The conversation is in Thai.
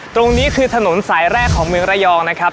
ตรงนี้คือถนนสายแรกของเมืองระยองนะครับ